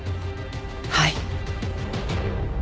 はい。